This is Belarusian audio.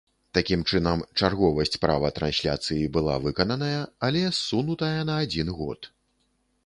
Такім чынам, чарговасць права трансляцыі была выкананая, але ссунутая на адзін год.